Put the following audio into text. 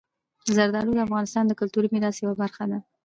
زردالو د افغانستان د کلتوري میراث یوه برخه ده.